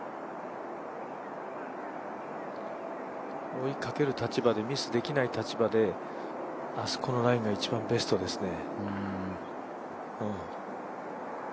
追いかける立場でミスできない立場であそこのラインが一番ベストですね。